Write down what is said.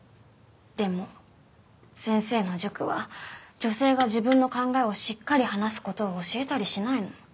でも先生の塾は女性が自分の考えをしっかり話す事を教えたりしないの。